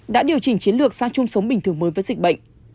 đã điều chỉnh chiến lược sang chung sống bình thường mới với dịch bệnh